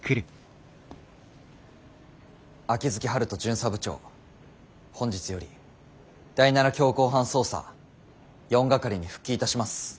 秋月春風巡査部長本日より第７強行犯捜査４係に復帰いたします。